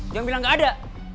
jangan bilang gak ada